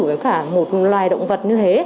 với cả một loài động vật như thế